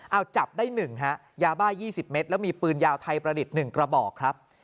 เอาจับได้๑ฮะยาบ้า๒๐เมตรแล้วมีปืนยาวไทยประดิษฐ์๑กระบอกครับ